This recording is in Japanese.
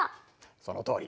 そのとおり！